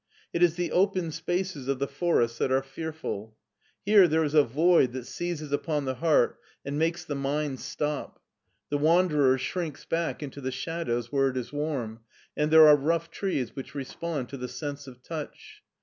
It is the open spates of the forest diat are fearful. Here diere is a void that seizes upon the heart and makes the mind stop. The wanderer shrinks bade into the shadows where it is warm, and there are rough trees which respond to the sense of touch.